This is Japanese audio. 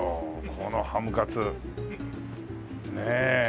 このハムカツ。ねえ。